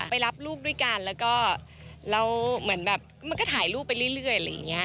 ไปรับลูกด้วยกันแล้วก็เราเหมือนแบบมันก็ถ่ายรูปไปเรื่อยอะไรอย่างนี้